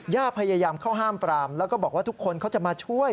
พยายามเข้าห้ามปรามแล้วก็บอกว่าทุกคนเขาจะมาช่วย